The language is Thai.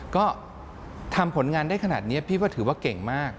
ก็ทำผลงานได้ขนาดนี้พี่ก็ถือว่าเก่งมาก